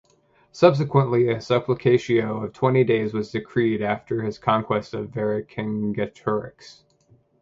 Subsequently a supplicatio of twenty days was decreed after his conquest of Vercingetorix.